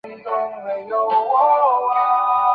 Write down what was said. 在天鹤座有几对肉眼可以看见的双星。